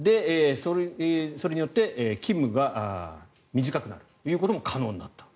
それによって勤務が短くなるということも可能になった。